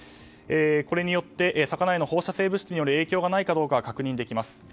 これによって魚への放射性物質による影響がないかどうか確認できます。